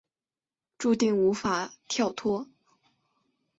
注定无法跳脱